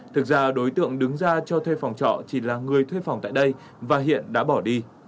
thực ra đối tượng đứng ra cho thuê phòng trọ chỉ là người thuê phòng tại đây và hiện đã bỏ đi